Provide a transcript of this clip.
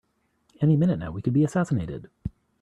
Any minute now we could be assassinated!